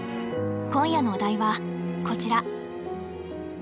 今夜のお題はこちら。